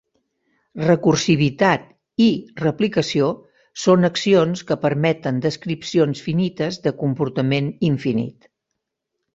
"Recursivitat" i "replicació" són accions que permeten descripcions finites de comportament infinit.